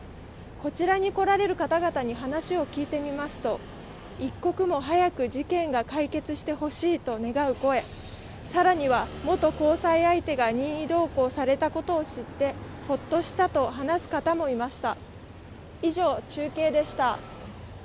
こちらに来られる方々に話を聞いてみますと、一刻も早く事件が解決してほしいと願う声、更には、元交際相手が任意同行されたことを知って、ほっとしたと話す方もいました。